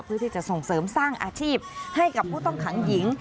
เพื่อที่จะส่งเสริมสร้างอาชีพให้กับผู้ต้องขังหญิง